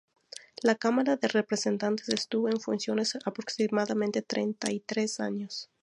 La Cámara de Representantes estuvo en funciones aproximadamente treinta y tres años.